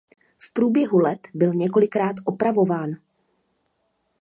V průběhu let byl několikrát opravován.